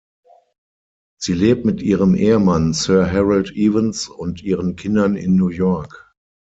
Sie lebt mit ihrem Ehemann Sir Harold Evans und ihren Kindern in New York.